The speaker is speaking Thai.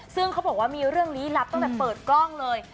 ซึ่งเขาบอกว่ามีเรื่องลี้ลับตั้งแต่เปิดกล้องเลย